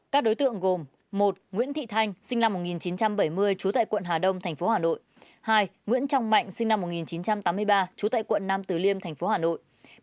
các đối tượng gồm một nguyễn thị thanh sinh năm một nghìn chín trăm bảy mươi trú tại quận hà đông tp hà nội hai nguyễn trọng mạnh sinh năm một nghìn chín trăm tám mươi ba trú tại quận nam tử liêm tp hà nội